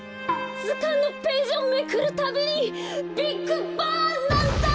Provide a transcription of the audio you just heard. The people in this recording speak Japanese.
ずかんのページをめくるたびにビッグバンなんだ！